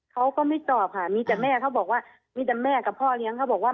เขาก็ไม่ตอบค่ะมีแต่แม่เขาบอกว่ามีแต่แม่กับพ่อเลี้ยงเขาบอกว่า